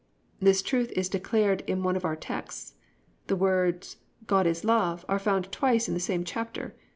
_ This truth is declared in one of our texts. The words +"God is love"+ are found twice in the same chapter (1 John 4:8, 16).